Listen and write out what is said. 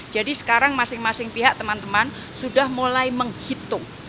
jadi sekarang masing masing pihak teman teman sudah mulai menghitung